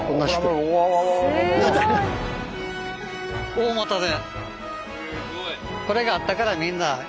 大股で。